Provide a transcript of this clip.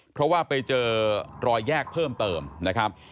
เพราะว่าไปเจอรอยแยกเพิ่มเติมนะครับ